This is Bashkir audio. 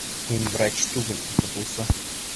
Һин врач түгел, уҡытыусы.